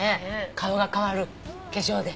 顔が変わる化粧で。